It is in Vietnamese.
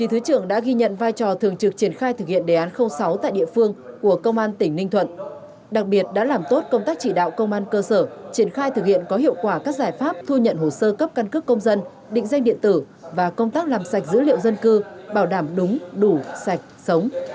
thứ trưởng đã ghi nhận vai trò thường trực triển khai thực hiện đề án sáu tại địa phương của công an tỉnh ninh thuận đặc biệt đã làm tốt công tác chỉ đạo công an cơ sở triển khai thực hiện có hiệu quả các giải pháp thu nhận hồ sơ cấp căn cước công dân định danh điện tử và công tác làm sạch dữ liệu dân cư bảo đảm đúng đủ sạch sống